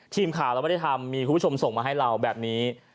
ทีมข่าวเราไม่ได้ทำมีคุณผู้ชมส่งมาให้เราแบบนี้